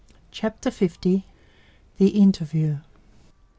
Chapter L. The Interview.